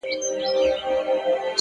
هره لحظه د نوې ودې امکان لري